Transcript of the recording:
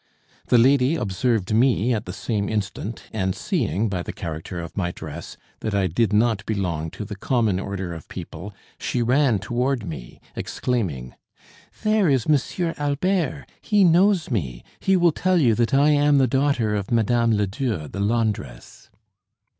The lady observed me at the same instant, and seeing, by the character of my dress, that I did not belong to the common order of people, she ran toward me, exclaiming: "There is M. Albert! He knows me! He will tell you that I am the daughter of Mme. Ledieu, the laundress."